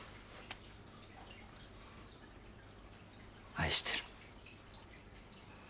愛してる。